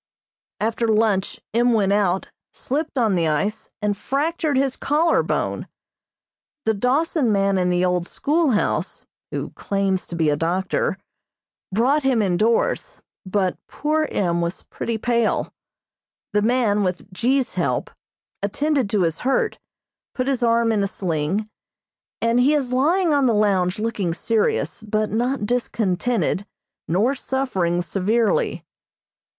After lunch M. went out, slipped on the ice and fractured his collar bone. The Dawson man in the old schoolhouse, (who claims to be a doctor), brought him indoors, but poor M. was pretty pale. The man, with G.'s help, attended to his hurt, put his arm in a sling, and he is lying on the lounge looking serious, but not discontented nor suffering severely.